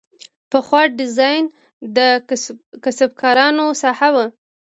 پخوا ډیزاین د کسبکارانو ساحه وه.